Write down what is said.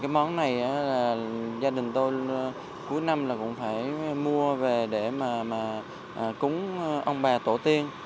bánh tráng nước dừa rượu bầu đá những món này gia đình tôi cuối năm cũng phải mua về để cúng ông bà tổ tiên